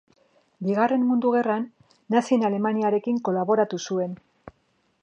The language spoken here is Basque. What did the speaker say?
Bigarren Mundu Gerran Nazien Alemaniarekin kolaboratu zuen.